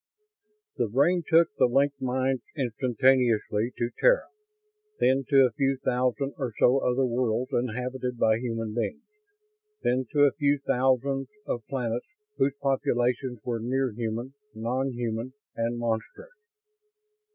The brain took the linked minds instantaneously to Terra; then to a few thousand or so other worlds inhabited by human beings; then to a few thousands of planets whose populations were near human, non human and monstrous.